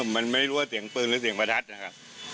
มันไม่รู้ว่าเสียงปืนหรือเสียงประทัดนะครับ